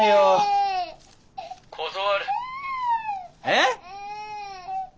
えっ！